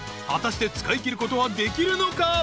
［果たして使いきることはできるのか？］